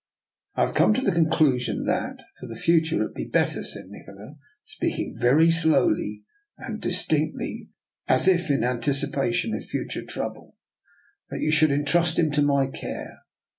" I have come to the conclusion that, for the future, it would be better," said Nikola, speaking very slowly and distinctly, as if iri anticipation of future trouble, " that you should entrust him to my care.